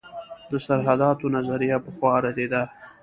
د سرحداتو نظریه پخوا ردېده.